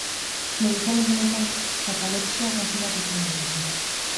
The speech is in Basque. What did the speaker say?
Medikuen esanetan, katalepsia kasu bat izan daiteke.